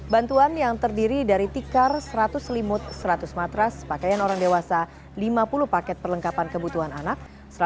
bantuan yang terdiri dari tikar seratus selimut seratus matras pakaian orang dewasa lima puluh paket perlengkapan kebutuhan anak